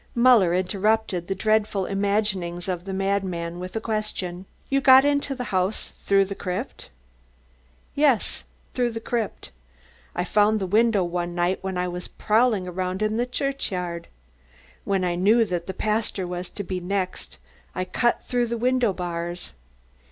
Muller interrupted the dreadful imaginings of the madman with a question. "You got into the house through the crypt?" "Yes, through the crypt. I found the window one night when I was prowling around in the churchyard. When I knew that the pastor was to be the next, I cut through the window bars.